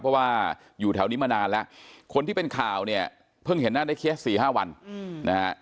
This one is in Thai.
เพราะว่าอยู่แถวนี้มานานแล้วคนที่เป็นข่าวเนี่ยเพิ่งเห็นหน้าได้เคส๔๕วันนะฮะ